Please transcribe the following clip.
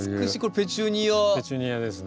ペチュニアですね。